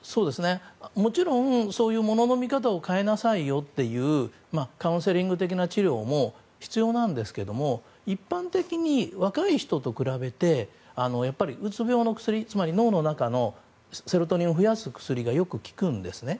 もちろん、ものの見方を変えなさいよといったカウンセリング的な治療も必要なんですけども、一般的に若い人と比べて、うつ病の薬つまり、脳の中のセロトニンを増やす薬がよく効くんですね。